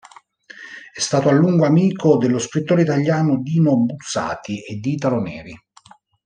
È stato a lungo amico dello scrittore italiano Dino Buzzati e di Italo Neri.